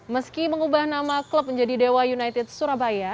meski mengubah nama klub menjadi dewa united surabaya